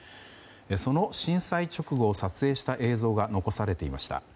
その震災直後を撮影した映像が残されていました。